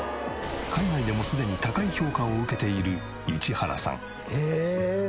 海外でもすでに高い評価を受けている市原さん。